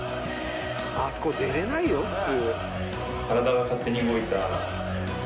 あそこ出れないよ普通。